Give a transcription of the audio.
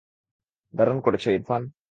দারুণ করেছো, ইরফান।